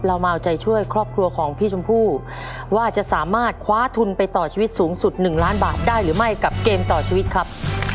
เรามาเอาใจช่วยครอบครัวของพี่ชมพู่ว่าจะสามารถคว้าทุนไปต่อชีวิตสูงสุด๑ล้านบาทได้หรือไม่กับเกมต่อชีวิตครับ